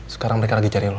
sekarang mereka lagi cari